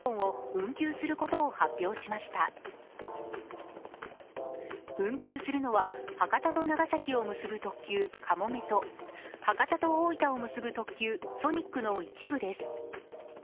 運休するのは博多と長崎を結ぶ特急かもめと博多と大分を結ぶ特急ソニックの一部です。